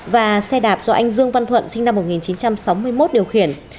và xe đạp do anh dương văn thuận sinh năm một nghìn chín trăm sáu mươi một điều khiển